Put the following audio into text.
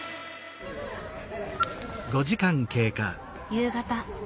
夕方。